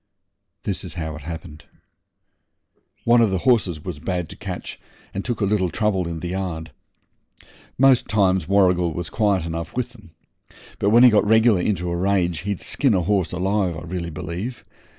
This is how it happened. One of the horses was bad to catch, and took a little trouble in the yard. Most times Warrigal was quiet enough with 'em, but when he got regular into a rage he'd skin a horse alive, I really believe.